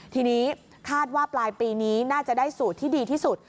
ทีนี้คาดว่าปลายปีนี้น่าจะได้สูตรที่ดีที่สุด